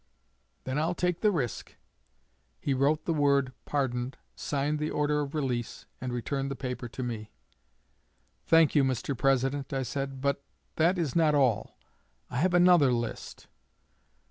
'Then I'll take the risk.' He wrote the word Pardoned, signed the order of release, and returned the paper to me. 'Thank you, Mr. President,' I said, 'but that is not all. I have another list.'